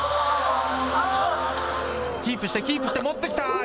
キープして、キープして、持ってきた。